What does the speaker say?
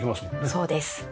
そうです。